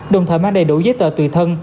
đồng thời mang đầy đủ giấy tờ tùy thân